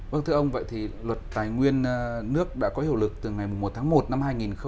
vâng thưa ông vậy thì luật tài nguyên nước đã có hiệu lực từ ngày một tháng một năm hai nghìn hai mươi